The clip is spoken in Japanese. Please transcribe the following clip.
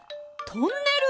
トンネル！